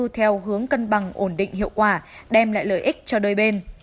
theo hướng cân bằng ổn định hiệu quả đem lại lợi ích cho đôi bên